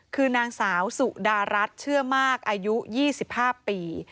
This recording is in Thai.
คือนางสาวสุดารัฐเชื่อมากอายุ๒๕ปี